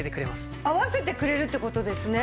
合わせてくれるって事ですね。